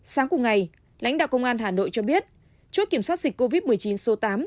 sáng cùng ngày lãnh đạo công an hà nội cho biết chốt kiểm soát dịch covid một mươi chín số tám